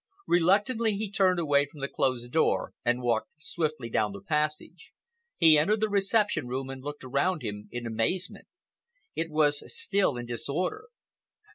Reluctantly he turned away from the closed door and walked swiftly down the passage. He entered the reception room and looked around him in amazement. It was still in disorder.